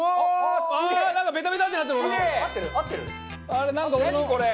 あれ？